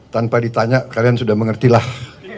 tanpa ditanya kalian sudah mengertilah